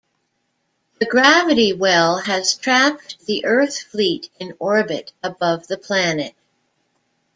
The Gravity Well has trapped the Earth fleet in orbit above the planet.